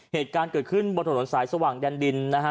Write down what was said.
เหตุการณ์เกิดขึ้นบนถนนสายสว่างแดนดินนะฮะ